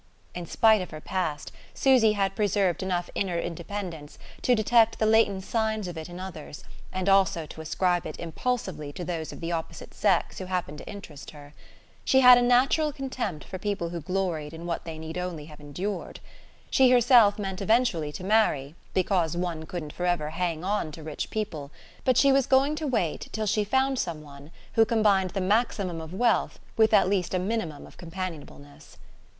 In spite of her past, Susy had preserved enough inner independence to detect the latent signs of it in others, and also to ascribe it impulsively to those of the opposite sex who happened to interest her. She had a natural contempt for people who gloried in what they need only have endured. She herself meant eventually to marry, because one couldn't forever hang on to rich people; but she was going to wait till she found some one who combined the maximum of wealth with at least a minimum of companionableness.